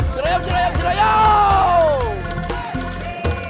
jurayam jurayam jurayam